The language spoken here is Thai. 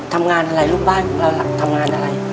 ทำงานอะไรลูกบ้านของเราทำงานอะไร